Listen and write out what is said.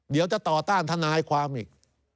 เดี๋ยวจะต่อต้านทนายความอีก